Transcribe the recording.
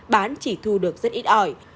bán chỉ thu được rất ít ỏi